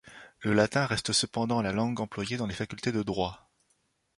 Le latin reste cependant la langue employée dans les facultés de droit.